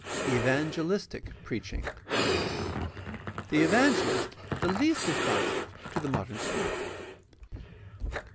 6. EVANGELISTIC PREACmNG The evangelist the least responsive to the modern spirit.